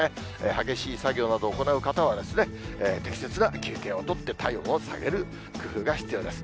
激しい作業などを行う方はですね、適切な休憩を取って、体温を下げる工夫が必要です。